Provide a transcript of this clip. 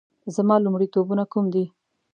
زما لومړیتوبونه کوم دي؟